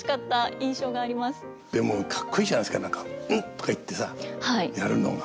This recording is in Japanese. でもかっこいいじゃないですか何か「んっ」とか言ってさやるのが。